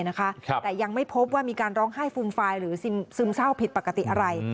แต่ยังไม่พบว่ามีการร้องไห้ฟูมฟายหรือซึมเศร้าผิดปกติอะไร